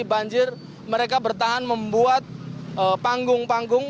dan berada di banjir mereka bertahan membuat panggung panggung